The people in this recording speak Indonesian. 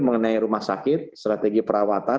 mengenai rumah sakit strategi perawatan